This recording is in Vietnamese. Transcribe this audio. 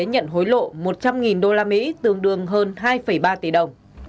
nhận hối lộ một trăm linh usd tương đương hơn hai ba tỷ đồng